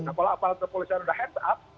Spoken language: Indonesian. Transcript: nah kalau aparat kepolisian sudah head up